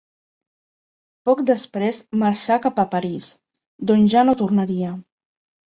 Poc després marxà cap a París, d'on ja no tornaria.